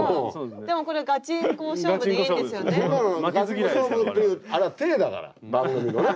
そんなのガチンコ勝負っていうあれは体だから番組のね。